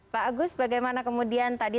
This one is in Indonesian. pak agus bagaimana kemudian tadi